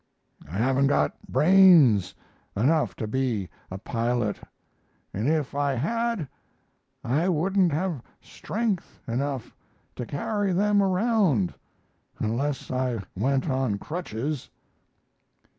I haven't got brains enough to be a pilot; and if I had I wouldn't have strength enough to carry them around, unless I went on crutches."